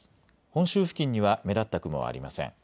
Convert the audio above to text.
本州付近には目立った雲ありません。